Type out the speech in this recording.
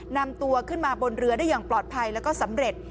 นำตัวขึ้นมาบนเรือได้อย่างปลอดภัยแล้วก็สำเร็จ